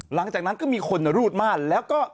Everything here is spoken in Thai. หลังจากนั้นก็มีคนรูดม่านแล้วก็